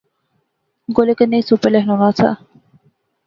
گولے کنے اُس اُپر لیخنونا سا